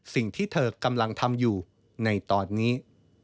สิ่งที่เธอกำลังทำอยู่ในตอนนี้